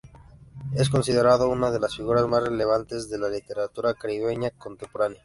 Es considerado una de las figuras más relevantes de la literatura caribeña contemporánea.